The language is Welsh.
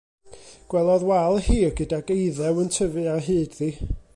Gwelodd wal hir, gydag eiddew yn tyfu ar hyd-ddi.